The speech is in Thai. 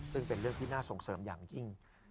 ซึ่งเป็นเรื่องที่น่าส่งเสริมอย่างยิ่ง